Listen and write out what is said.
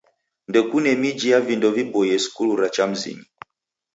Ndekune miji ya vindo viboie skulu ra cha mzinyi.